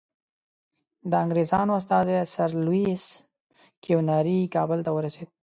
د انګریزانو استازی سر لویس کیوناري کابل ته ورسېد.